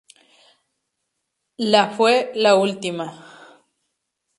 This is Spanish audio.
La fue la última.